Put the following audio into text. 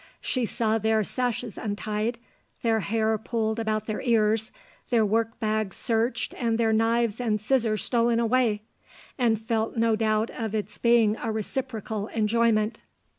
She saw their sashes untied, their hair pulled about their ears, their workbags searched and their knives and scissors stolen away, and felt no doubt of its being a reciprocal enjoyment.